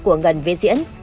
của ngân về diễn